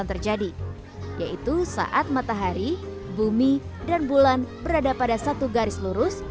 yang terjadi yaitu saat matahari bumi dan bulan berada pada satu garis lurus